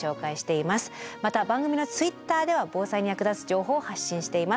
また番組のツイッターでは防災に役立つ情報を発信しています。